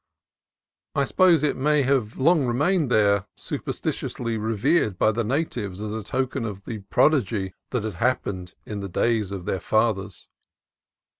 I suppose it may have long remained there, superstitiously revered by the natives as a token of the prodigy that had happened in the days of their fathers.